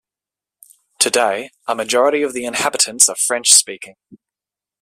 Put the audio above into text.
Today, a majority of the inhabitants are French-speaking.